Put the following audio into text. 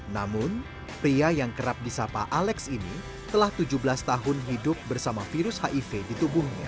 namun pria yang kerap disapa alex ini telah tujuh belas tahun hidup bersama virus hiv di tubuhnya